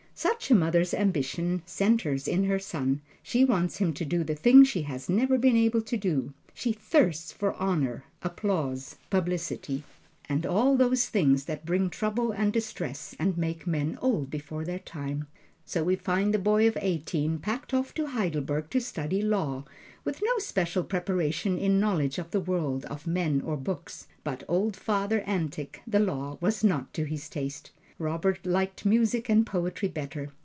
Such a mother's ambition centers in her son. She wants him to do the thing she has never been able to do. She thirsts for honors, applause, publicity, and all those things that bring trouble and distress and make men old before their time. So we find the boy at eighteen packed off to Heidelberg to study law, with no special preparation in knowledge of the world, of men or books. But old father antic, the law, was not to his taste. Robert liked music and poetry better.